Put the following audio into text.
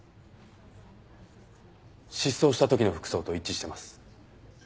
失踪した時の服装と一致してます。